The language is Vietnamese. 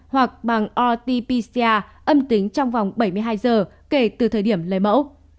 hoặc bằng rt pcr âm tính trong vòng bảy mươi hai giờ kể từ thời điểm lấy mẫu